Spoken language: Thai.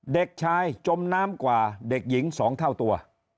เด็กชายจมน้ำกว่าเด็กหญิง๒เท่าตัว